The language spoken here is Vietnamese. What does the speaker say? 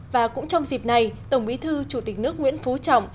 và cũng trong dịp này tổng bí thư chủ tịch nước nguyễn phú trọng